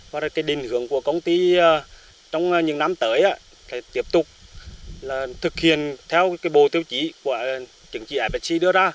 và đình hưởng của công ty trong những năm tới là tiếp tục thực hiện theo bộ tiêu chí của fsc